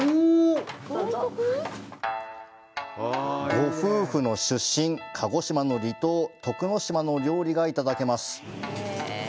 ご夫婦の出身、鹿児島の離島、徳之島の料理がいただけます。